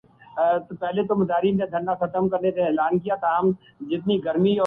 اسلام آبادنیو زڈیسکپورا پاکستان اگلے سال اینڈرائیڈ فون میں تین تبدیلیوں کی شدت سے منتظر ہے